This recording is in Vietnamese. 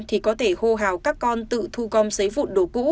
thì có thể hô hào các con tự thu gom xấy vụn đồ cũ